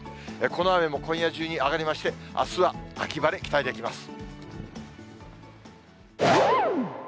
この雨も今夜中に上がりまして、あすは秋晴れ期待できます。